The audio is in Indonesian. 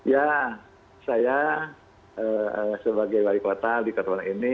ya saya sebagai waria kota di kota bandung ini